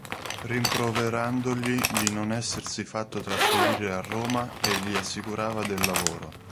Rimproverandogli di non essersi fatto trasferire a Roma, e gli assicurava del lavoro.